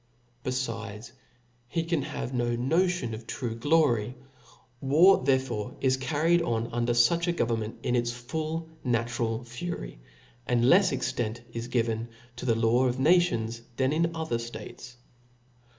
Befides, he can have no. notion of true glory. War therefore is carried on under fuch a government in its full na tural fury, and lefs extent is given to the law of nations than in other ftates.